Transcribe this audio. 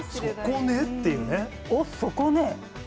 おっ、そこね？